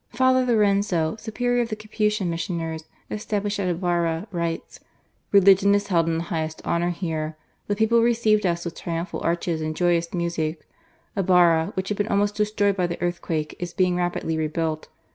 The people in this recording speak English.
Father Lorenzo, Superior of the Capuchin missioners, established at Ibarra, writes :" Religion is held in the highest honour here. The people received us with triumphal arches and joyous music. Ibarra, which had been almost destroyed by the earthquake, is being rapidly rebuilt.